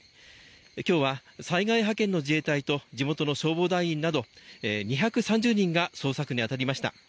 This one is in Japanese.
今日は災害派遣の自衛隊と地元の消防団員など２３０人が捜索に当たりました。